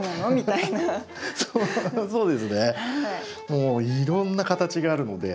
もういろんな形があるので。